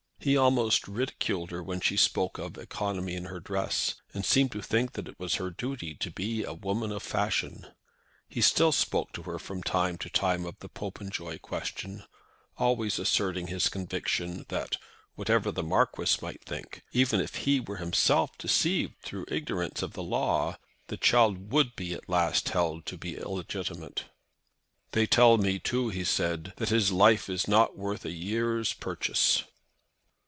He almost ridiculed her when she spoke of economy in her dress, and seemed to think that it was her duty to be a woman of fashion. He still spoke to her from time to time of the Popenjoy question, always asserting his conviction that, whatever the Marquis might think, even if he were himself deceived through ignorance of the law, the child would be at last held to be illegitimate. "They tell me, too," he said, "that his life is not worth a year's purchase."